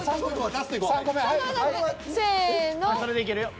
それでいけるよ。